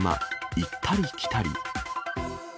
行ったり来たり。